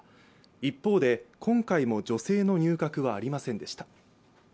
一方で、今回も女性の入閣はありませんでした。